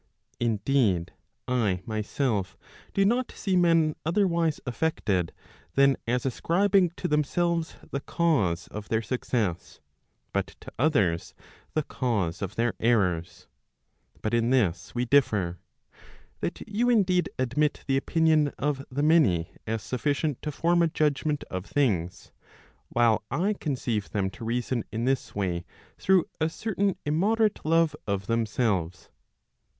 Indeed, I myself do not see men other¬ wise affected than as ascribing to themselves the cause of their success, but to others the cause of their errors. But in this we differ, that you indeed admit the opinion of the many as sufficient to form a judgment of things; while I conceive them to reason in this way through a certain immoderate love of themselves.